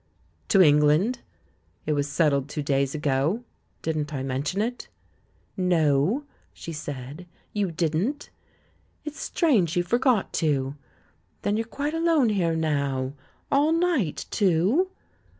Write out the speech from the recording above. "To England. It was settled two days ago; didn't I mention it?" "No," she said, "you didn't. It's strange you forgot to !... Then you're quite alone here now — all night, too?"